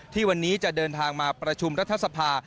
ที่วันนี้จะเดินทางมาประชุมรัฐสภา